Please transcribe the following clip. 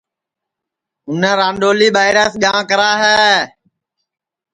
اُنے رانڈؔولی ٻائیراس ٻیاں کرا ہے